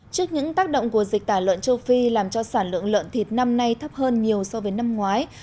trước những tác động của dịch tả lợn châu phi làm cho sản lượng lợn thịt năm nay thấp hơn nhiều so với năm ngoái